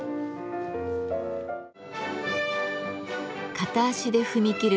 片足で踏み切る